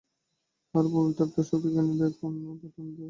তাহারা পবিত্রতা, শক্তি এবং জ্ঞানের পথে উন্নতি করিয়াছে।